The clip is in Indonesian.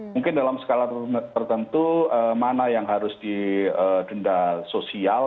mungkin dalam skala tertentu mana yang harus didenda sosial